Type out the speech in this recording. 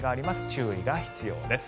注意が必要です。